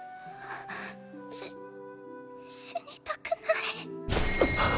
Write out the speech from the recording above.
し死にたくない。ッ！！